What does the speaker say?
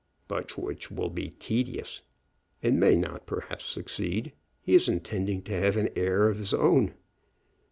"But which will be tedious, and may not, perhaps, succeed. He is intending to have an heir of his own."